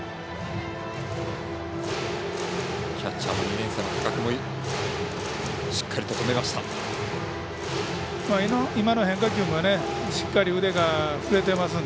キャッチャーの２年生の高久しっかりと止めました。